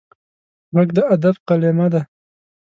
غږ د ادب قلمه ده